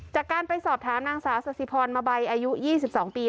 จากการไปสอบถามนางสาวสสิพรมาใบอายุ๒๒ปี